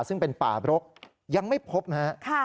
ซึ่งเป็นป่าบรกยังไม่พบนะครับ